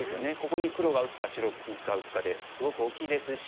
ここに黒が打つか白が打つかですごく大きいですし。